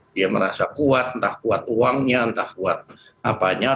dia merasa kuat entah kuat uangnya entah kuat apanya